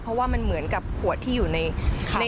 เพราะว่ามันเหมือนกับขวดที่อยู่ใน